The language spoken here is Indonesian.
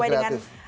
di bidang kreatif